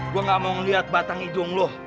gua gak mau liat batang hidung lo